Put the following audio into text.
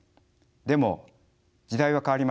でも時代は変わりました。